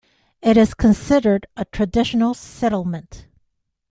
It is considered a traditional settlement.